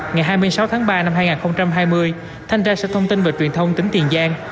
ngày hai mươi sáu tháng ba năm hai nghìn hai mươi thanh ra sách thông tin về truyền thông tỉnh tiền giang